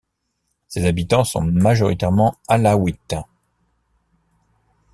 Ses habitants sont majoritairement alaouites.